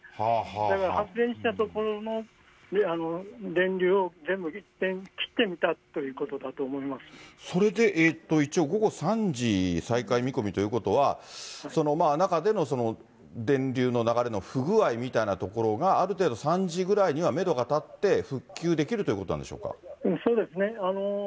だから発煙した所の電流を全部いっぺん切ってみたということだとそれで一応午後３時に再開見込みということは、その中での電流の流れの不具合みたいなところがある程度、３時ぐらいにはメドが立って、復旧できるということなんでしょうそうですね。